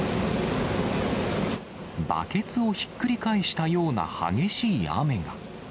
バケツをひっくり返したような激しい雨が。